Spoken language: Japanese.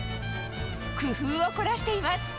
工夫を凝らしています。